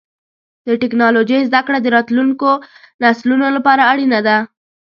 د ټکنالوجۍ زدهکړه د راتلونکو نسلونو لپاره اړینه ده.